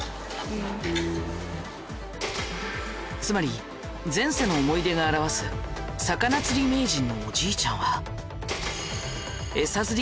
つまり前世の思い出が表す魚釣り名人のおじいちゃんは。